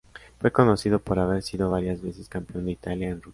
Fue conocido por haber sido varias veces Campeón de Italia en Ruta.